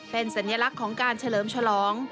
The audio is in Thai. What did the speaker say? เป็นสัญลักษณ์ของการเฉลิมฉลอง